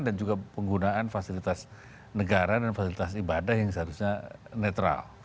dan juga penggunaan fasilitas negara dan fasilitas ibadah yang seharusnya netral